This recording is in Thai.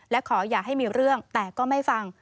และขออย่าให้มีเรื่องแต่ก็ไม่ฟัง